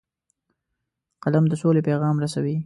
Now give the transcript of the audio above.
قلم د سولې پیغام رسوي